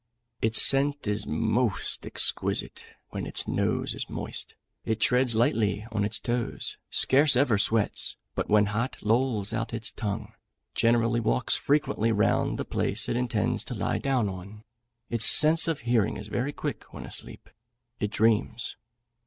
Its scent is most exquisite when its nose is moist; it treads lightly on its toes; scarce ever sweats, but when hot, lolls out its tongue; generally walks frequently round the place it intends to lie down on; its sense of hearing is very quick when asleep; it dreams.